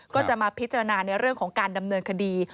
ก็จะมาพิจารณาในเรื่องของการดำเนินคดี